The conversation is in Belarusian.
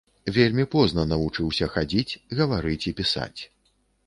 Вельмі позна навучыўся хадзіць, гаварыць і пісаць.